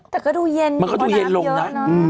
แต่ก็ดูเย็นมันก็ดูเย็นลงนะ